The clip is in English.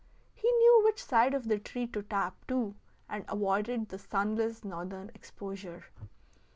He knew which side of the tree to tap, too, and avoided the sunless northern exposure.